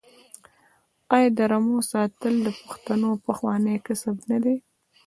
آیا د رمو ساتل د پښتنو پخوانی کسب نه دی؟